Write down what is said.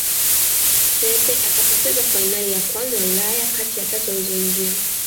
pep akapoteza fainali ya kwanza ya ulaya kati ya tatu alizoingia